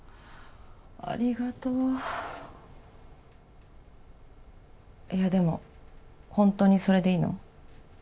ありがとういやでもほんとにそれでいいの？